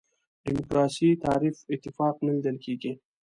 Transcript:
دیموکراسي تعریف اتفاق نه لیدل کېږي.